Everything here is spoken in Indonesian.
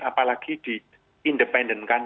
apalagi di independenkan